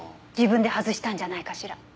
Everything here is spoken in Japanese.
自分で外したんじゃないかしら。